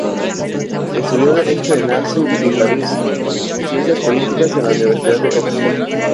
Estudió Derecho en Nancy y París, y Ciencias Políticas en la Universidad de Oxford.